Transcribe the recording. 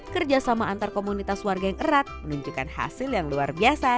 kerjasama antar komunitas warga yang erat menunjukkan hasil yang luar biasa